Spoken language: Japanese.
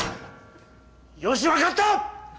よし分かった！